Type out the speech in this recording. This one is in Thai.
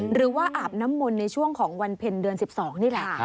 อาบน้ำมนต์ในช่วงของวันเพ็ญเดือน๑๒นี่แหละ